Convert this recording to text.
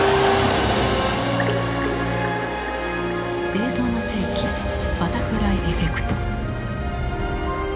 「映像の世紀バタフライエフェクト」。